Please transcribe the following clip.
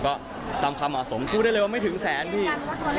ก็ตามความเหมาะสมพูดได้เลยว่าไม่ถึงแสนพี่